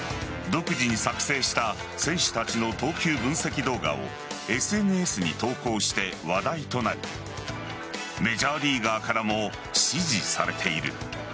独自に作成した選手たちの投球分析動画をＳＮＳに投稿して話題となりメジャーリーガーからも支持されている。